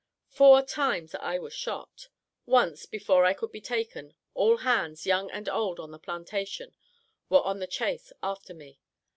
"Four times I was shot. Once, before I would be taken, all hands, young and old on the plantation were on the chase after me.